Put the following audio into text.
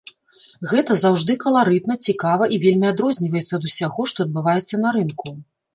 Гэта заўжды каларытна, цікава і вельмі адрозніваецца ад усяго, што адбываецца на рынку.